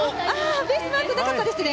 ベースマークなかったですね。